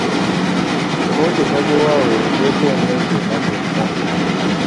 Kkooti esazeewo aweerezeeko emyezi ena gyokka.